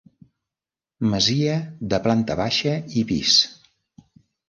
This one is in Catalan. Masia de planta baixa i pis.